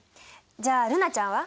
じゃあ瑠菜ちゃんは？